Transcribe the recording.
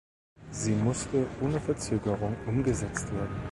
Sie muss ohne Verzögerung umgesetzt werden.